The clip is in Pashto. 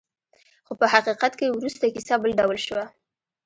خو په حقیقت کې وروسته کیسه بل ډول شوه.